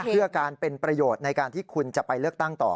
เพื่อการเป็นประโยชน์ในการที่คุณจะไปเลือกตั้งต่อ